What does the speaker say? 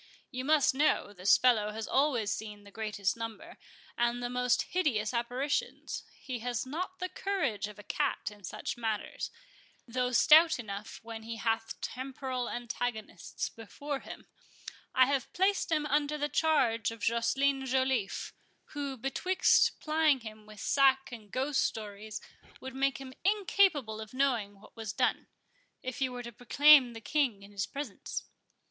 You must know, this fellow has always seen the greatest number, and the most hideous apparitions; he has not the courage of a cat in such matters, though stout enough when he hath temporal antagonists before him. I have placed him under the charge of Joceline Joliffe, who, betwixt plying him with sack and ghost stories, would make him incapable of knowing what was done, if you were to proclaim the King in his presence."